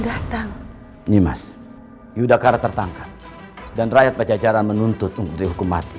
datang ini mas yudhakara tertangkap dan rakyat pecah caran menuntut untuk dihukum